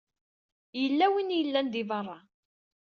Yella win i yellan di beṛṛa.